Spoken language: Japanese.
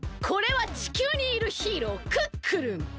これは地球にいるヒーロークックルン。